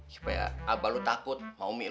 supaya abah lo takut sama umi lo